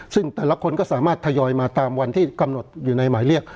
ซึ่งแต่ละคนก็สามารถทยอยมาตามวันที่กำหนดอยู่ในหมายเรียก